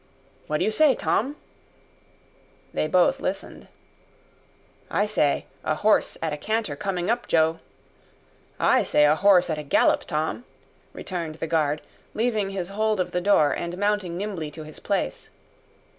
"What do you say, Tom?" They both listened. "I say a horse at a canter coming up, Joe." "I say a horse at a gallop, Tom," returned the guard, leaving his hold of the door, and mounting nimbly to his place.